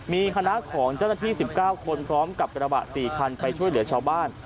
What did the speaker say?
มีคณะของเจ้าหน้าที่๑๙คนพร้อมกับกระบะ๔คันไปช่วยเหลือชาวบ้าน